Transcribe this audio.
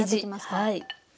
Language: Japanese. はい。